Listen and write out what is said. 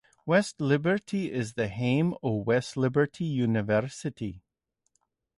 West Liberty is the home of West Liberty University.